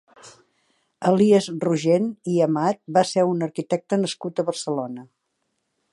Elies Rogent i Amat va ser un arquitecte nascut a Barcelona.